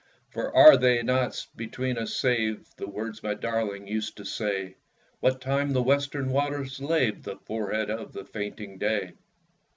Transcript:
For are they not between us saved, The words my darling used to say, What time the western waters laved The forehead of the fainting day?